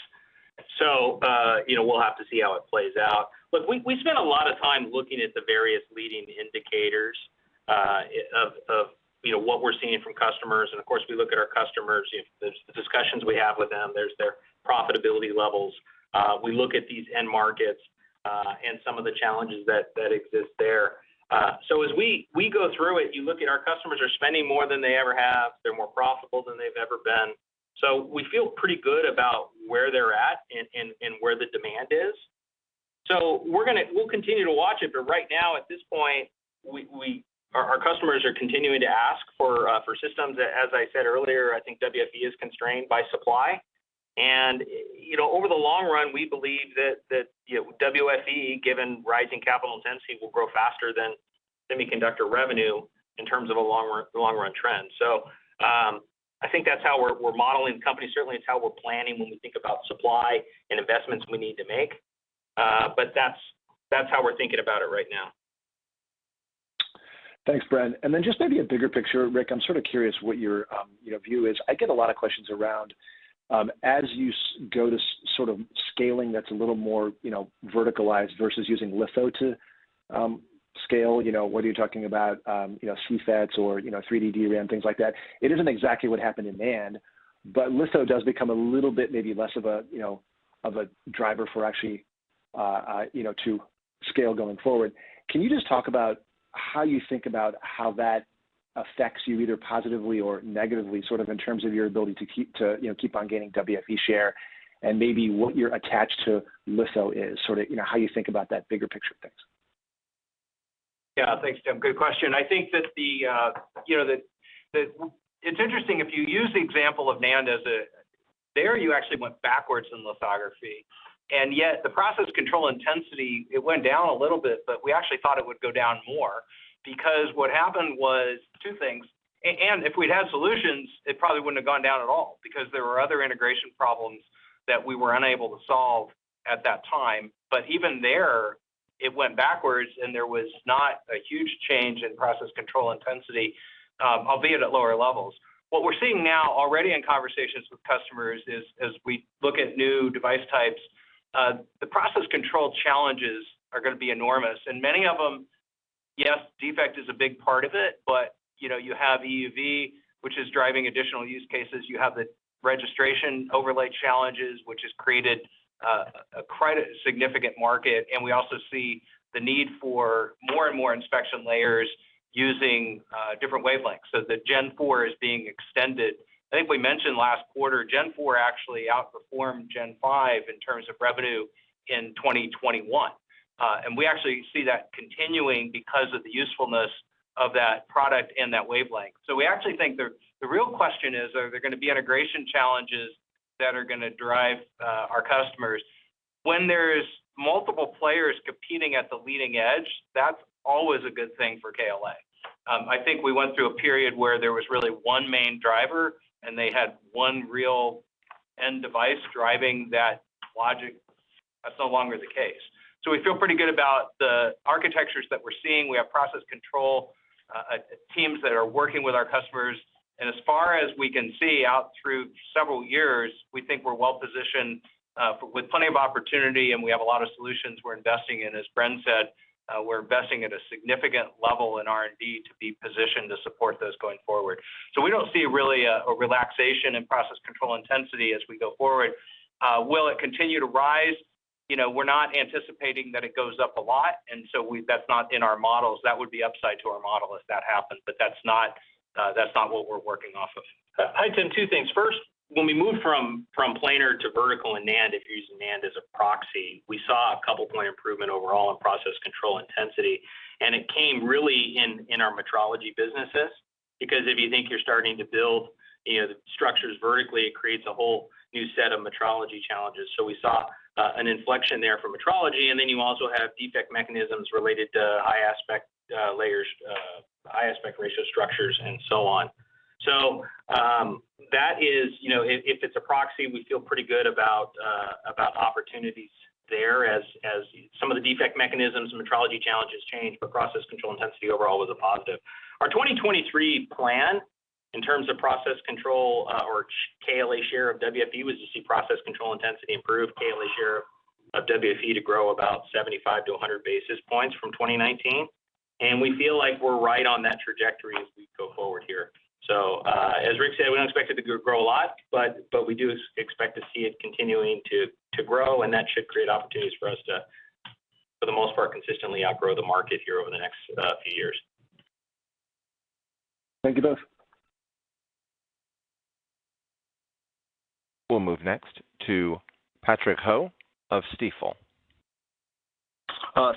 You know, we'll have to see how it plays out. Look, we spent a lot of time looking at the various leading indicators of what we're seeing from customers, and of course, we look at our customers. You know, there's the discussions we have with them. There's their profitability levels. We look at these end markets and some of the challenges that exist there. As we go through it, you look at our customers are spending more than they ever have. They're more profitable than they've ever been. We feel pretty good about where they're at and where the demand is. We'll continue to watch it, but right now at this point, our customers are continuing to ask for systems. As I said earlier, I think WFE is constrained by supply. You know, over the long run, we believe that you know, WFE, given rising capital intensity, will grow faster than semiconductor revenue in terms of a long run trend. I think that's how we're modeling the company. Certainly it's how we're planning when we think about supply and investments we need to make. That's how we're thinking about it right now. Thanks, Bren. Just maybe a bigger picture, Rick, I'm sort of curious what your, you know, view is. I get a lot of questions around, as you go to sort of scaling that's a little more, you know, verticalized versus using litho to, scale, you know, whether you're talking about, you know, CFETs or, you know, 3D DRAM, things like that. It isn't exactly what happened in NAND, but litho does become a little bit maybe less of a, you know, of a driver for actually, you know, to scale going forward. Can you just talk about how you think about how that affects you either positively or negatively, sort of in terms of your ability to keep, to, you know, keep on gaining WFE share and maybe what you're attached to litho is, sort of, you know, how you think about that bigger picture of things? Yeah. Thanks, Tim. Good question. I think that it's interesting if you use the example of NAND. There you actually went backwards in lithography, and yet the process control intensity, it went down a little bit, but we actually thought it would go down more. Because what happened was two things. If we'd had solutions, it probably wouldn't have gone down at all because there were other integration problems that we were unable to solve at that time. Even there, it went backwards, and there was not a huge change in process control intensity, albeit at lower levels. What we're seeing now already in conversations with customers is as we look at new device types, the process control challenges are gonna be enormous. Many of them, yes, defect is a big part of it, but, you know, you have EUV, which is driving additional use cases. You have the registration overlay challenges, which has created a quite significant market. We also see the need for more and more inspection layers using different wavelengths. The Gen4 is being extended. I think we mentioned last quarter, Gen4 actually outperformed Gen5 in terms of revenue in 2021. We actually see that continuing because of the usefulness of that product and that wavelength. We actually think the real question is, are there gonna be integration challenges that are gonna drive our customers. When there's multiple players competing at the leading edge, that's always a good thing for KLA. I think we went through a period where there was really one main driver, and they had one real end device driving that logic. That's no longer the case. We feel pretty good about the architectures that we're seeing. We have process control teams that are working with our customers. As far as we can see out through several years, we think we're well positioned with plenty of opportunity, and we have a lot of solutions we're investing in. As Bren said, we're investing at a significant level in R&D to be positioned to support those going forward. We don't see really a relaxation in process control intensity as we go forward. Will it continue to rise? You know, we're not anticipating that it goes up a lot, and that's not in our models. That would be upside to our model if that happens, but that's not what we're working off of. I'd say two things. First, when we moved from planar to vertical in NAND, if you're using NAND as a proxy, we saw a couple point improvement overall in process control intensity. It came really in our metrology businesses. Because if you think you're starting to build, you know, the structures vertically, it creates a whole new set of metrology challenges. We saw an inflection there for metrology, and then you also have defect mechanisms related to high aspect layers, high aspect ratio structures and so on. That is, you know, if it's a proxy, we feel pretty good about opportunities there as some of the defect mechanisms and metrology challenges change, but process control intensity overall was a positive. Our 2023 plan in terms of process control, our KLA share of WFE was to see process control intensity improve, KLA share of WFE to grow about 75 to 100 basis points from 2019. We feel like we're right on that trajectory as we go forward here. As Rick said, we don't expect it to grow a lot, but we do expect to see it continuing to grow, and that should create opportunities for us to, for the most part, consistently outgrow the market here over the next few years. Thank you, both. We'll move next to Patrick Ho of Stifel.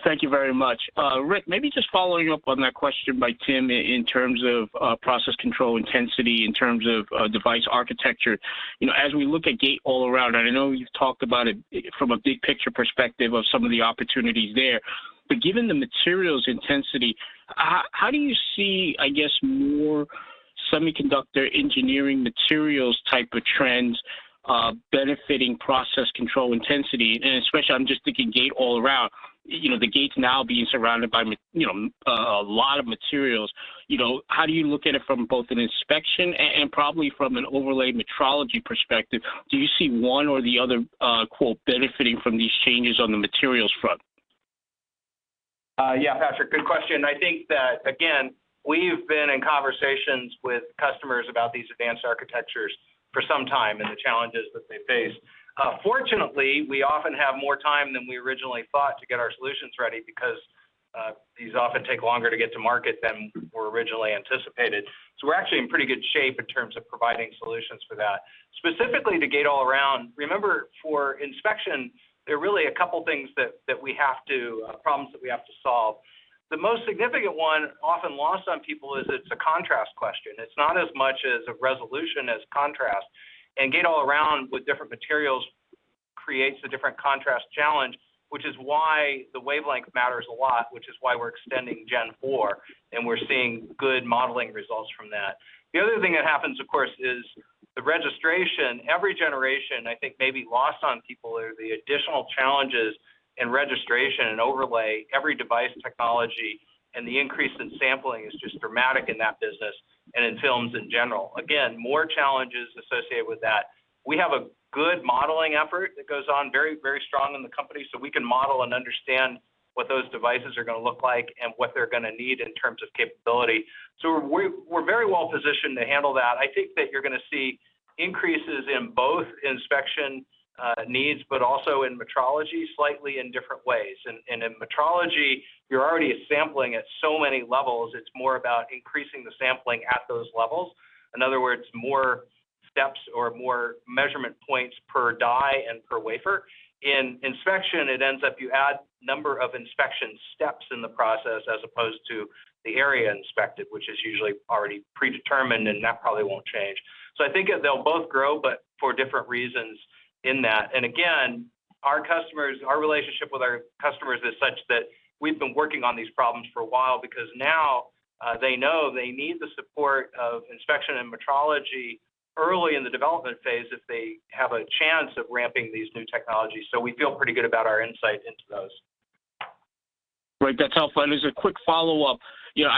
Thank you very much. Rick, maybe just following up on that question by Tim in terms of process control intensity, in terms of device architecture. You know, as we look at gate all around, and I know you've talked about it from a big picture perspective of some of the opportunities there, but given the materials intensity, how do you see, I guess, more semiconductor engineering materials type of trends benefiting process control intensity, and especially I'm just thinking gate all around. You know, the gates now being surrounded by you know, a lot of materials. You know, how do you look at it from both an inspection and probably from an overlay metrology perspective, do you see one or the other, quote, "benefiting from these changes on the materials front"? Yeah, Patrick, good question. I think that again, we've been in conversations with customers about these advanced architectures for some time and the challenges that they face. Fortunately, we often have more time than we originally thought to get our solutions ready because these often take longer to get to market than were originally anticipated. We're actually in pretty good shape in terms of providing solutions for that. Specifically to gate all around, remember for inspection, there are really a couple problems that we have to solve. The most significant one, often lost on people, is it's a contrast question. It's not as much a resolution as contrast. Gate all around with different materials creates a different contrast challenge, which is why the wavelength matters a lot, which is why we're extending Gen4, and we're seeing good modeling results from that. The other thing that happens, of course, is the registration. Every generation, I think, may be lost on people are the additional challenges in registration and overlay, every device technology, and the increase in sampling is just dramatic in that business and in films in general. Again, more challenges associated with that. We have a good modeling effort that goes on very, very strong in the company, so we can model and understand what those devices are gonna look like and what they're gonna need in terms of capability. We're very well positioned to handle that. I think that you're gonna see increases in both inspection, needs, but also in metrology slightly in different ways. In metrology, you're already sampling at so many levels, it's more about increasing the sampling at those levels. In other words, more steps or more measurement points per die and per wafer. In inspection, it ends up you add number of inspection steps in the process as opposed to the area inspected, which is usually already predetermined, and that probably won't change. I think they'll both grow, but for different reasons in that. Again, our customers, our relationship with our customers is such that we've been working on these problems for a while, because now, they know they need the support of inspection and metrology early in the development phase if they have a chance of ramping these new technologies. We feel pretty good about our insight into those. Great. That's helpful. As a quick follow-up.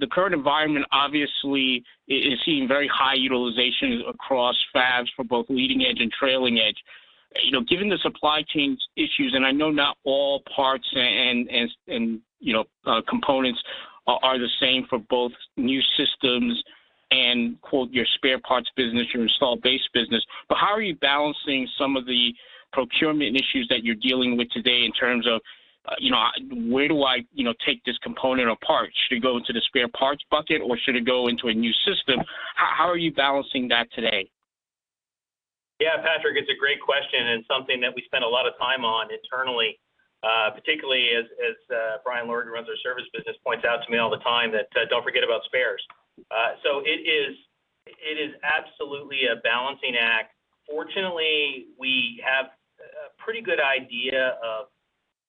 The current environment obviously is seeing very high utilization across fabs for both leading edge and trailing edge. Given the supply chain issues, I know not all parts and components are the same for both new systems and your spare parts business, your installed base business. How are you balancing some of the procurement issues that you're dealing with today in terms of where do I take this component apart? Should it go into the spare parts bucket, or should it go into a new system? How are you balancing that today? Yeah, Patrick, it's a great question, and something that we spend a lot of time on internally, particularly as Brian Lorig, who runs our service business, points out to me all the time that don't forget about spares. It is absolutely a balancing act. Fortunately, we have a pretty good idea of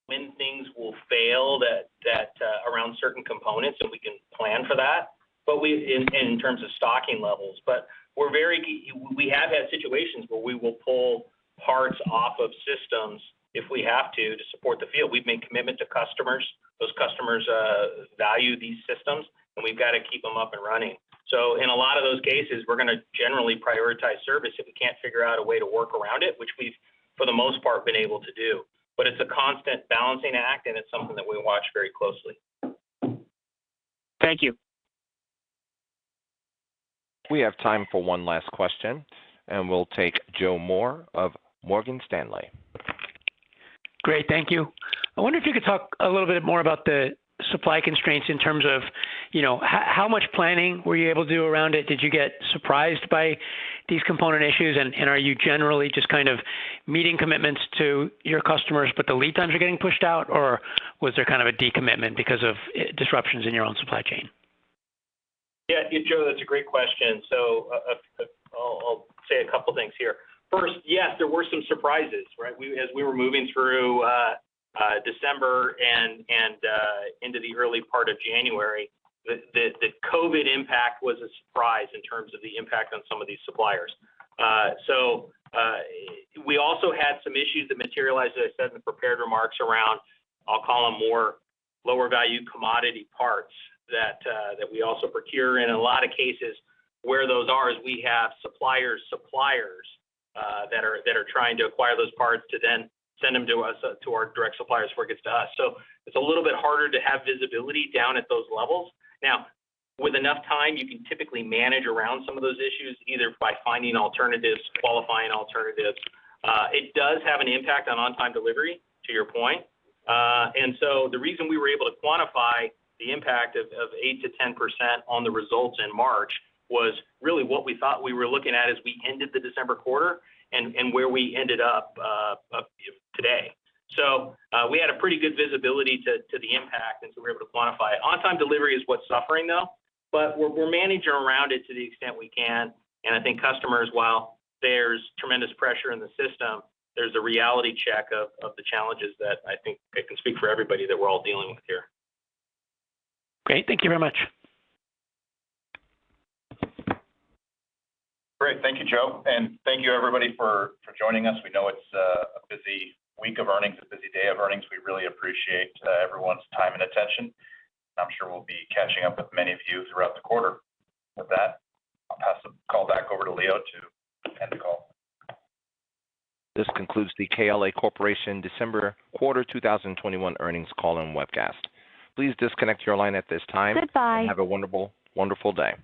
when things will fail that around certain components, so we can plan for that, but in terms of stocking levels, we have had situations where we will pull parts off of systems if we have to support the field. We've made commitment to customers. Those customers value these systems, and we've got to keep them up and running. In a lot of those cases, we're gonna generally prioritize service if we can't figure out a way to work around it, which we've, for the most part, been able to do. It's a constant balancing act, and it's something that we watch very closely. Thank you. We have time for one last question, and we'll take Joe Moore of Morgan Stanley. Great. Thank you. I wonder if you could talk a little bit more about the supply constraints in terms of, you know, how much planning were you able to do around it? Did you get surprised by these component issues? Are you generally just kind of meeting commitments to your customers, but the lead times are getting pushed out, or was there kind of a decommitment because of disruptions in your own supply chain? Yeah, Joe, that's a great question. I'll say a couple things here. First, yes, there were some surprises, right? As we were moving through December and into the early part of January, the COVID impact was a surprise in terms of the impact on some of these suppliers. We also had some issues that materialized, as I said in the prepared remarks, around, I'll call them more lower value commodity parts that we also procure. In a lot of cases, where those are is we have suppliers that are trying to acquire those parts to then send them to us, to our direct suppliers before it gets to us. It's a little bit harder to have visibility down at those levels. Now, with enough time, you can typically manage around some of those issues, either by finding alternatives, qualifying alternatives. It does have an impact on on-time delivery, to your point. The reason we were able to quantify the impact of 8%-10% on the results in March was really what we thought we were looking at as we ended the December quarter and where we ended up today. We had a pretty good visibility to the impact, and so we were able to quantify it. On-time delivery is what's suffering, though. We're managing around it to the extent we can. I think customers, while there's tremendous pressure in the system, there's a reality check of the challenges that I think I can speak for everybody that we're all dealing with here. Great. Thank you very much. Great. Thank you, Joe. Thank you, everybody, for joining us. We know it's a busy week of earnings, a busy day of earnings. We really appreciate everyone's time and attention. I'm sure we'll be catching up with many of you throughout the quarter. With that, I'll pass the call back over to Leo to end the call. This concludes the KLA Corporation December quarter 2021 earnings call and webcast. Please disconnect your line at this time. Goodbye. Have a wonderful day.